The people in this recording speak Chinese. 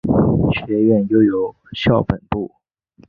学院拥有校本部。